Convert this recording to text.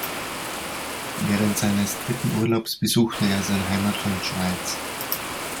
Während seines dritten Urlaubs besuchte er sein Heimatland Schweiz.